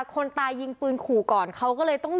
คนตายยิงปืนขู่ก่อนเขาก็เลยต้อง